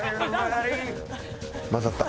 交ざった。